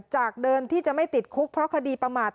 จากเดิมที่จะไม่ติดคุกเพราะคดีประมาท